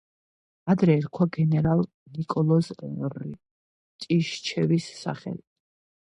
ადრე ერქვა გენერალ ნიკოლოზ რტიშჩევის სახელი.